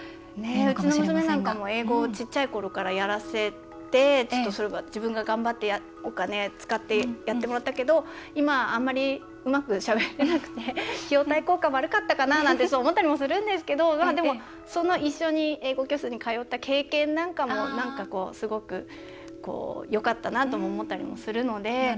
うちの娘なんかも英語を小さいころからやらせて自分が頑張ってお金使ってやってもらったけど今、あんまりうまくしゃべれなくて費用対効果、悪かったかななんて思ったりもするんですけどでも、一緒に英語教室に通った経験なんかもなんか、すごくよかったなとも思ったりもするので。